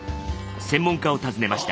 専門家を訪ねました。